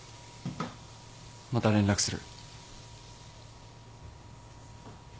また連絡する。